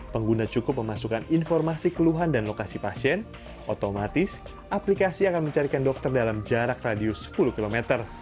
pengguna cukup memasukkan informasi keluhan dan lokasi pasien otomatis aplikasi akan mencarikan dokter dalam jarak radius sepuluh km